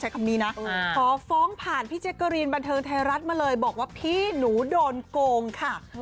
คำนี้นะขอฟ้องผ่านพี่แจ๊กกะรีนบันเทิงไทยรัฐมาเลยบอกว่าพี่หนูโดนโกงค่ะ